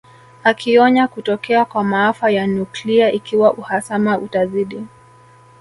Akionya kutokea kwa maafa ya nuklia ikiwa uhasama utazidi